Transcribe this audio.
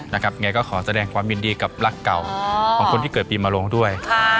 ยังไงก็ขอแสดงความยินดีกับรักเก่าของคนที่เกิดปีมาลงด้วย